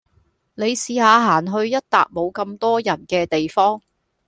你試吓行去一笪冇咁多人嘅地方